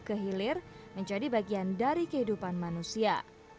ke hilir menjadi bagian dari kehidupan manusia